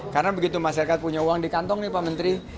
karena begitu masyarakat punya uang di kantong nih pak menteri